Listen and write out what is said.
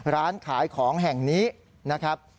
ร้านขายของแห่งนี้นะครับ